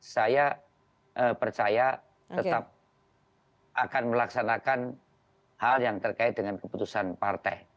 saya percaya tetap akan melaksanakan hal yang terkait dengan keputusan partai